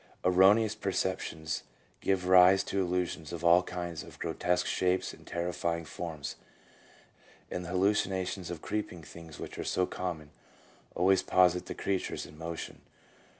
Erroneous perceptions give rise to illusions of all kinds of grotesque shapes and terrify ing forms, and the hallucinations of creeping things which are so common always posit the creatures in motion.